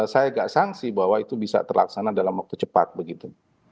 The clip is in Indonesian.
saya agak sangsi bahwa itu bisa terlaksana dalam waktu cepat begitu